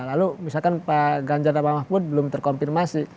lalu misalkan pak ganjana mamah pun belum terkonfirmasi